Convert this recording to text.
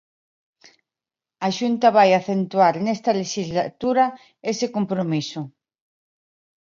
A Xunta vai acentuar nesta lexislatura ese compromiso.